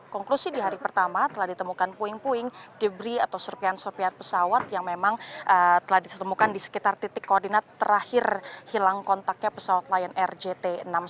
konklusi di hari pertama telah ditemukan puing puing debri atau serpian serpian pesawat yang memang telah ditemukan di sekitar titik koordinat terakhir hilang kontaknya pesawat lion air jt enam ratus sepuluh